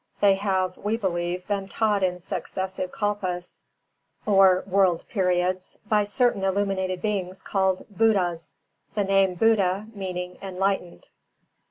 They have, we believe, been taught in successive kalpas, or world periods, by certain illuminated beings called BUDDHAS, the name BUDDHA meaning "Enlightened".